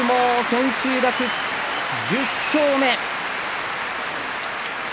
千秋楽に１０勝目。